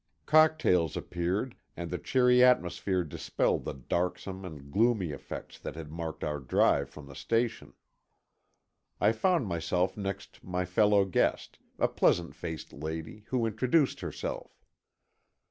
Cocktails appeared and the cheery atmosphere dispelled the darksome and gloomy effects that had marked our drive from the station. I found myself next my fellow guest, a pleasant faced lady, who introduced herself.